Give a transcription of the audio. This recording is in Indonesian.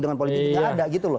tidak ada gitu loh